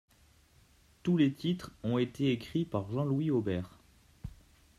Tous les titres ont été écrits par Jean-Louis Aubert.